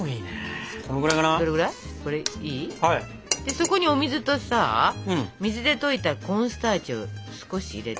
そこにお水とさ水で溶いたコーンスターチを少し入れて。